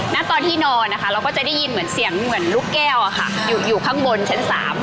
แล้วตอนที่นอนอะค่ะเราก็จะได้ยินเสียงเหมือนลูกแก้วอะค่ะอยู่ข้างบนชั้นสาม